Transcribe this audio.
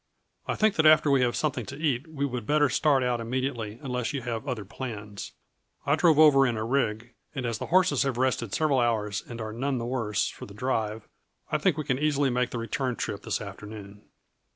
I think that after we have something to eat we would better start out immediately, unless you have other plans. I drove over in a rig, and as the horses have rested several hours and are none the worse for the drive, I think we can easily make the return trip this afternoon."